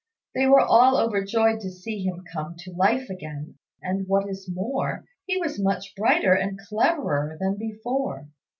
They were all overjoyed to see him come to life again; and, what is more, he was much brighter and cleverer than before.